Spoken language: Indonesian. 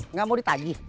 nggak mau ditagi